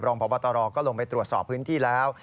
พบตรก็ลงไปตรวจสอบพื้นที่แล้ว